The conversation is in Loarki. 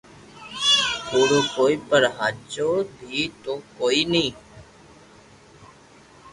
ڪوڙو ڪوئي پر ھاچو بي تو ڪوئي ني